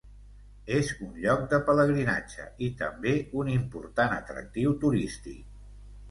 És un lloc de pelegrinatge i també un important atractiu turístic.